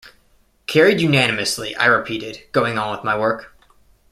"Carried unanimously," I repeated, going on with my work.